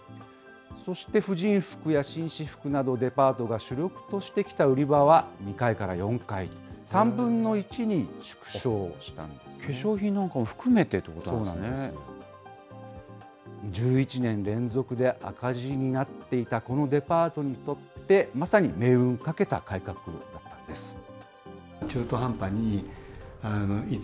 そして婦人服や紳士服など、デパートが主力としてきた売り場は２階から４階、３分の１に縮小化粧品なんかも含めてってい１１年連続で赤字になっていたこのデパートにとって、まさに命運をかけた改革ということです。